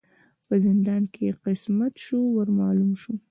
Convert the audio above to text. په زندان کی یې قسمت سو ور معلوم سو